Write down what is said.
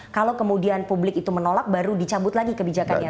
kalau kemudian publik itu menolak baru dicabut lagi kebijakannya